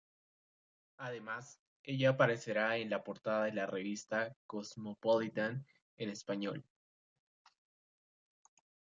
Además, ella aparecerá en la portada de la revista Cosmopolitan en Español.